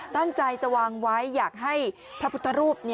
ตั้งใจจะวางไว้อยากให้พระพุทธรูป